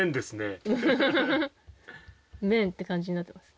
麺って感じになってます。